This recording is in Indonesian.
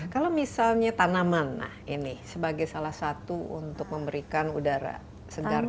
kalau misalnya tanaman ini sebagai salah satu untuk memberikan udara segar di sekitar kita